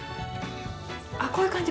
あこういう感じ